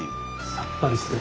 さっぱりして。